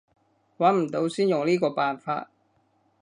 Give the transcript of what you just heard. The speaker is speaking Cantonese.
揾唔到先用呢個辦法